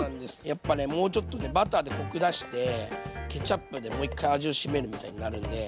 やっぱねもうちょっとバターでコク出してケチャップでもう一回味をしめるみたいになるんで。